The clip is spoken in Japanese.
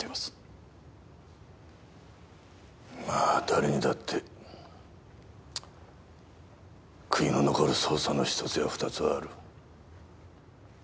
まあ誰にだって悔いの残る捜査の１つや２つはある。